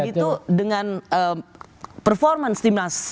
kalau begitu dengan performance timnas